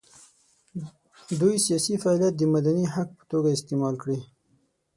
دوی سیاسي فعالیت د مدني حق په توګه استعمال کړي.